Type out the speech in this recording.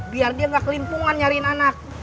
biar dia nggak kelimpungan nyariin anak